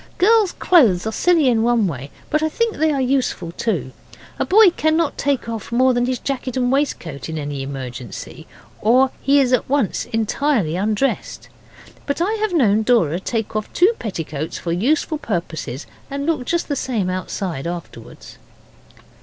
Girls' clothes are silly in one way, but I think they are useful too. A boy cannot take off more than his jacket and waistcoat in any emergency, or he is at once entirely undressed. But I have known Dora take off two petticoats for useful purposes and look just the same outside afterwards.